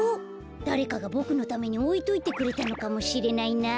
だれかがボクのためにおいといてくれたのかもしれないな。